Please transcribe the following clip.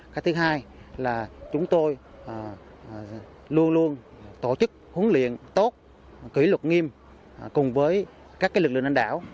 cái thứ hai là chúng tôi luôn luôn tổ chức huấn luyện tốt kỷ lục nghiêm cùng với các lực lượng đánh đảo